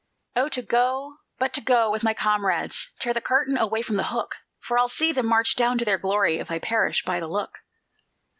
"Oh, to go, but to go with my comrades! Tear the curtain away from the hook; For I'll see them march down to their glory, If I perish by the look!"